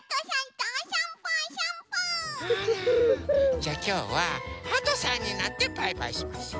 じゃあきょうははとさんになってバイバイしましょう。